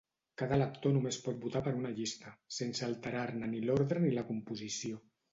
Cada elector només pot votar per una llista, sense alterar-ne ni l'ordre ni la composició.